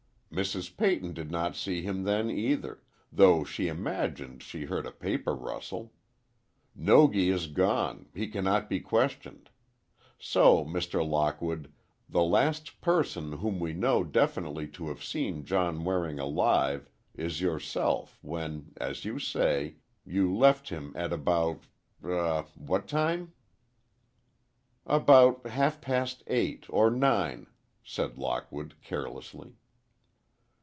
"Mrs. Peyton did not see him then, either—though she imagined she heard a paper rustle. Nogi is gone—he cannot be questioned. So, Mr. Lockwood, the last person whom we know definitely to have seen John Waring alive, is yourself when, as you say, you left him at about—er—what time?" "About half past eight or nine," said Lockwood, carelessly.